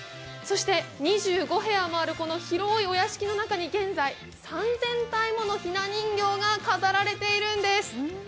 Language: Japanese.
そして２５部屋もある広いお屋敷の中に現在３０００体ものひな人形が飾られているんです。